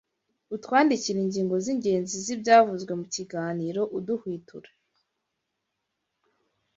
utwandikira ingingo z’ingenzi z’ibyavuzwe mu kiganiro uduhwitura